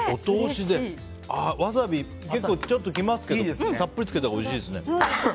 わさび結構来ますけどたっぷりつけたほうがおいしいですね。